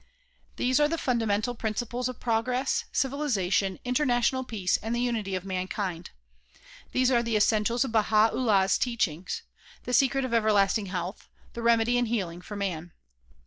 These are the fun damental principles of progress, civilization, international peace and the unity of mankind. These are the essentials of Baha 'Ullah 's teachings, the secret of everlasting health, the remedy and healing for man.